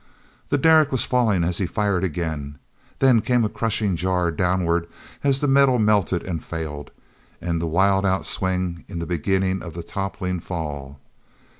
The derrick was falling as he fired again. There came a crushing jar downward as the metal melted and failed, and the wild outward swing in the beginning of the toppling fall.